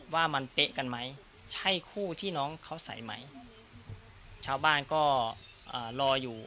ว่ามันเป๊ะกันไหมใช่คู่ที่น้องเขาใส่ไหมชาวบ้านก็รออยู่